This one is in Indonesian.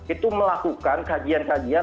itu melakukan kajian kajian